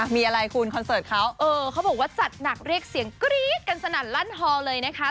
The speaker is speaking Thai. มีอะไรคุณคอนเสิร์ตเขาเออเขาบอกว่าจัดหนักเรียกเสียงกรี๊ดกันสนั่นลั่นฮอลเลยนะคะ